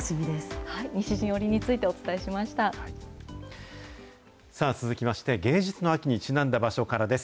西陣織について、お伝えしま続きまして、芸術の秋にちなんだ場所からです。